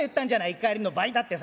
『１荷入りの倍』だってさ。